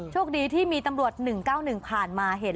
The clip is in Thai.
โชคดีที่มีตำรวจ๑๙๑ผ่านมาเห็น